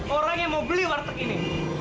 orang yang mau beli warteg ini